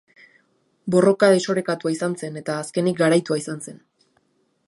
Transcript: Borroka desorekatua izan zen eta azkenik garaitua izan zen.